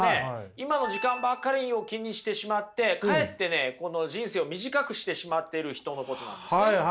今の時間ばかりを気にしてしまってかえってねこの人生を短くしてしまってる人のことなんですね。